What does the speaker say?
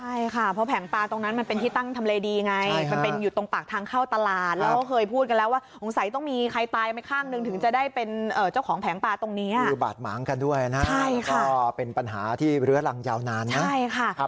ใช่ค่ะเพราะแผงปลาตรงนั้นมันเป็นที่ตั้งทำไรดี